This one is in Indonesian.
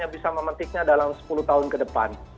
tapi dia tidak bisa memetiknya dalam sepuluh tahun ke depan